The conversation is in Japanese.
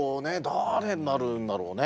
誰になるんだろうね。